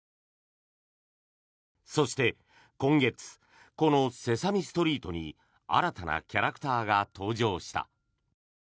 そして、今月この「セサミストリート」に新たなキャラクターが登場した。